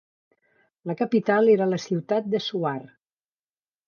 La capital era la ciutat de Suar.